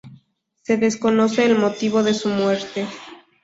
Se desconoce el motivo de su muerte.